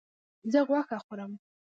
زه غوښه خورم